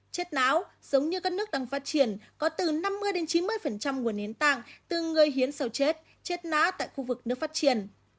chết não giống như các nước đang phát triển có từ năm mươi chín mươi nguồn hiến tạng từ người hiến sầu chết chết não tại khu vực nước phát triển